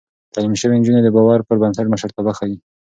تعليم شوې نجونې د باور پر بنسټ مشرتابه ښيي.